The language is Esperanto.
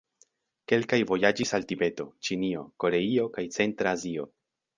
Kelkaj vojaĝis el Tibeto, Ĉinio, Koreio kaj centra Azio.